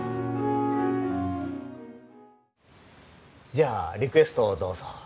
じゃあリクエストをどうぞ。